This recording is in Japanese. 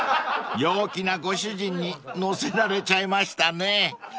［陽気なご主人に乗せられちゃいましたね］